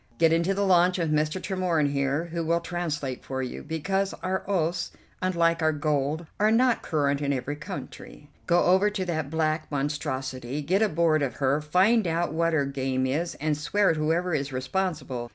Get into the launch with Mr. Tremorne here, who will translate for you, because our oaths, unlike our gold, are not current in every country. Go over to that black monstrosity; get aboard of her; find out what their game is, and swear at whoever is responsible.